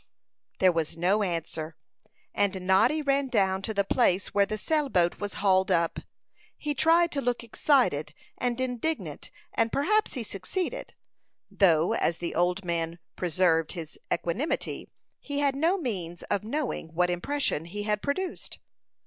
There was no answer; and Noddy ran down to the place where the sail boat was hauled up. He tried to look excited and indignant, and perhaps he succeeded; though, as the old man preserved his equanimity, he had no means of knowing what impression he had produced.